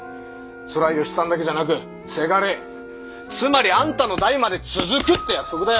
それは与七さんだけじゃなく倅つまりあんたの代まで続くって約束だ。